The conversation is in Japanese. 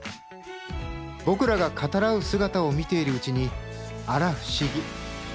僕らが語らう姿を見ているうちにあら不思議。